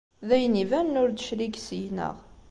D ayen ibanen ur d-teclig seg-neɣ.